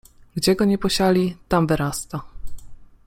Gdzie go nie posiali, tam wyrasta!